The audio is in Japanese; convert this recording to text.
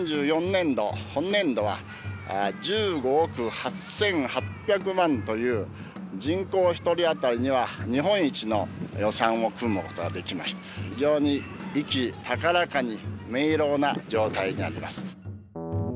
４４年度本年度は１５億８８００万という人口一人あたりには日本一の予算を組むことができました非常に意気高らかに明朗な状態にあります